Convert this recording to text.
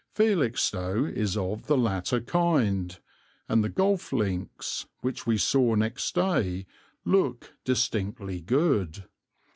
Felixstowe is of the latter kind, and the golf links, which we saw next day, look distinctly good.